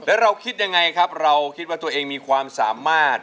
แล้วเราคิดยังไงครับเราคิดว่าตัวเองมีความสามารถ